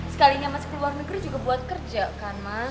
sekalinya mas ke luar negeri juga buat kerja kan mas